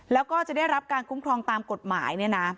แล้วก็จะได้รับการคุ้มครองตามกฎหมาย